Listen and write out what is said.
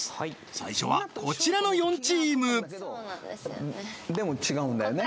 最初はこちらの４チームでも違うんだよね